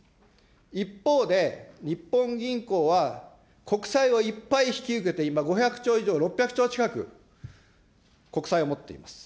一方で、日本銀行は国債をいっぱい引き受けて、今、５００兆以上、６００兆近く国債を持っています。